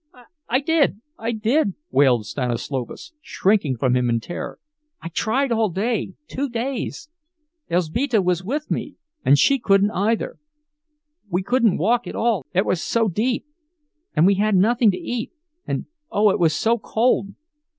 "I did—I did!" wailed Stanislovas, shrinking from him in terror. "I tried all day—two days. Elzbieta was with me, and she couldn't either. We couldn't walk at all, it was so deep. And we had nothing to eat, and oh, it was so cold!